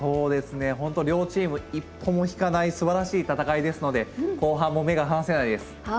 両チーム、一歩も引かないすばらしい戦いですので後半も目が離せないです。